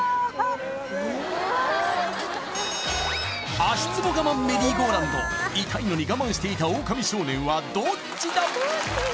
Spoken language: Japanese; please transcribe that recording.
足ツボ我慢メリーゴーランド痛いのに我慢していたオオカミ少年はどっちだ？